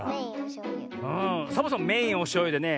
んサボさんメインはおしょうゆでね